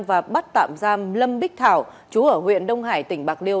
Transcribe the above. và bắt tạm giam lâm bích thảo chú ở huyện đông hải tỉnh bạc liêu